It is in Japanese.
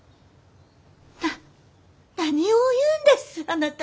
な何を言うんですあなた。